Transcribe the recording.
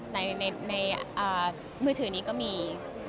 ในมือถือนี้ก็มี